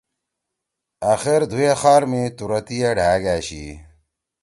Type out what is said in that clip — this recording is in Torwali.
أخیر دُھو اے خار می تورَتی اے ڈھأک أشی۔